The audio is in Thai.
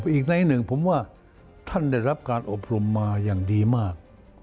อีกในหนึ่งผมว่าท่านได้รับการอบรมมาอย่างดีมาก